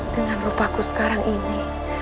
dengan rupaku sekarang ini